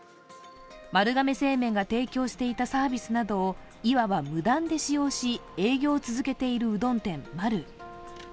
丸亀製麺が提供していたサービスなどをいわば無断で使用し営業を続けているうどん店、マル。